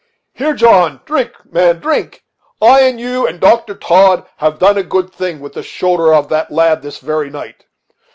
Here, John, drink, man, drink! I and you and Dr. Todd have done a good thing with the shoulder of that lad this very night.